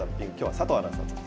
佐藤アナウンサー